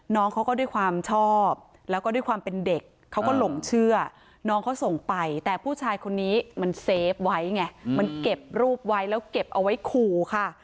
น้องเขาก็ด้วยความชอบแล้วก็ด้วยความเป็นเด็กเขาก็หลงเชื่อน้องเขาส่งไปแต่ผู้ชายคนนี้มันเซฟไว้ไงมันเก็บรูปไว้แล้วเก็บเอาไว้ขู่ค่ะ